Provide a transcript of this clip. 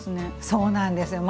そうなんですよ